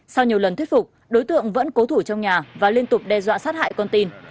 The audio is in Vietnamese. sau nhiều lần thuyết phục đối tượng vẫn cố thủ trong nhà và liên tục đe dọa sát hại con tin